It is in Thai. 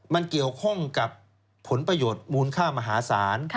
มันเกี่ยวข้องกับผลประโยชน์มูลค่ามหาศาล